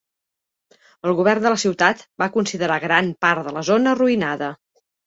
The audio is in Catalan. El govern de la ciutat va considerar gran part de la zona arruïnada.